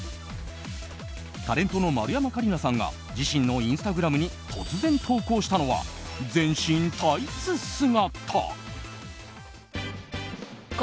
タレントの丸山桂里奈さんが自身のインスタグラムに突然、投稿したのは全身タイツ姿。